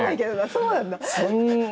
そうなんだ。